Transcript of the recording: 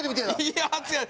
いや熱い！